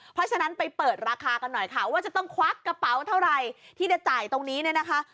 เพราะฉะนั้นไปเปิดราคากันหน่อยค่ะว่าจะต้องควักกระเป๋าเท่าไหร่ที่จะจ่ายตรงนี้เนี่ยนะคะ